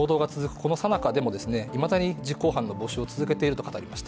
このさなかでもいまだに実行犯の募集を続けていると語りました。